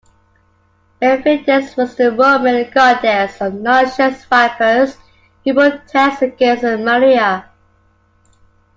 Mephitis was the Roman goddess of noxious vapors, who protects against malaria.